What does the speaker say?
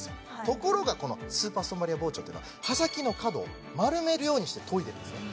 ところがこのスーパーストーンバリア包丁っていうのは刃先の角を丸めるようにして研いでるんですね